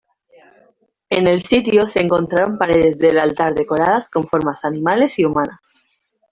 En el sitio, se encontraron paredes del altar decoradas con formas animales y humanas.